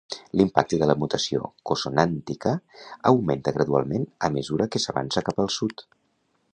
L'impacte de la mutació consonàntica, augmenta gradualment a mesura que s'avança cap al sud.